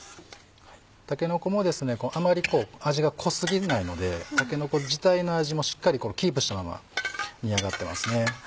たけのこもあまり味が濃過ぎないのでたけのこ自体の味もしっかりキープしたまま煮上がってますね。